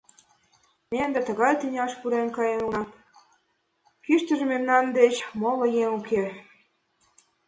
Ме ынде тугай тӱняш пурен каен улына, куштыжо мемнан деч моло еҥ уке.